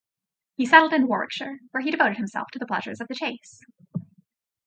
He settled in Warwickshire, where he devoted himself to the pleasures of the Chase.